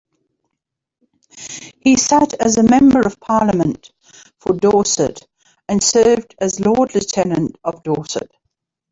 He sat as Member of Parliament for Dorset and served as Lord-Lieutenant of Dorset.